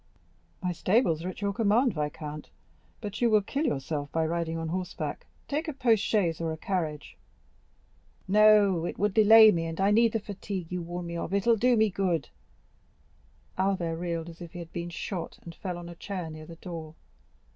"My stables are at your command, viscount; but you will kill yourself by riding on horseback. Take a post chaise or a carriage." "No, it would delay me, and I need the fatigue you warn me of; it will do me good." Albert reeled as if he had been shot, and fell on a chair near the door.